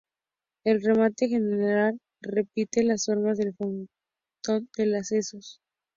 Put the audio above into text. El remate general repite las formas del frontón del acceso.